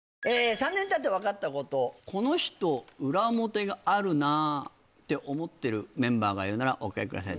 ３年たって分かったことこの人裏表があるなって思ってるメンバーがいるならお書きください